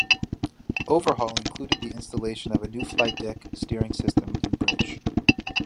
Overhaul included the installation of a new flight deck, steering system, and bridge.